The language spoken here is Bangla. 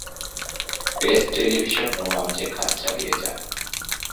পেজ টেলিভিশন ও মঞ্চে কাজ চালিয়ে যান।